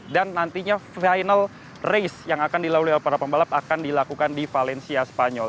dan nantinya final race yang akan dilakukan oleh para pembalap akan dilakukan di valencia spanyol